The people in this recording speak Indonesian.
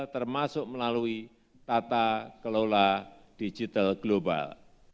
termasuk melalui tata kelola digital global